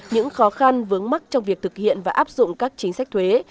những khó khăn vướng mắt trong việc thực hiện và áp dụng các chính sách thuế